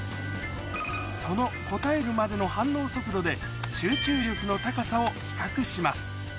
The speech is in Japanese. その答えるまでの反応速度で集中力の高さを比較します